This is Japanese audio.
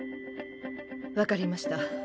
分かりました。